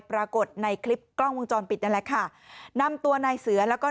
ปรากฏในคลิปกล้องวงจรปิดนั่นแหละค่ะนำตัวนายเสือแล้วก็